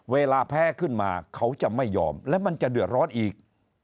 เวลาแพ้ขึ้นมาเขาจะไม่ยอมและมันจะเดือดร้อนอีก